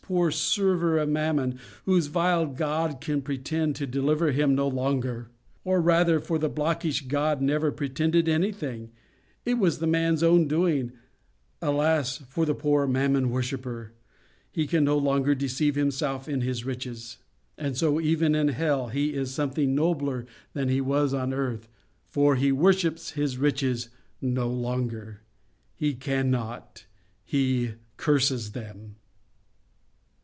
poor server of Mammon, whose vile god can pretend to deliver him no longer! Or rather, for the blockish god never pretended anything—it was the man's own doing—Alas for the Mammon worshipper! he can no longer deceive himself in his riches. And so even in hell he is something nobler than he was on earth; for he worships his riches no longer. He cannot. He curses them.